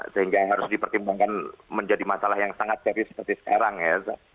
sehingga yang harus dipertimbangkan menjadi masalah yang sangat serius seperti sekarang ya